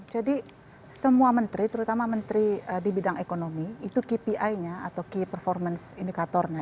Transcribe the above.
jadi semua menteri terutama menteri di bidang ekonomi itu kpi nya atau key performance indicator nya